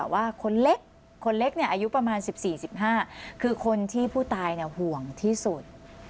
ว่าคนเล็กคนเล็กเนี่ยอายุประมาณสิบสี่สิบห้าคือคนที่ผู้ตายเนี่ยห่วงที่สุด